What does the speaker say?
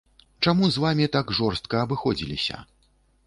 Чаму з вамі так жорстка абыходзіліся?